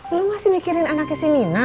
lo masih mikirin anaknya si mina